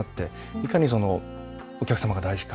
いかに、お客様が大事か。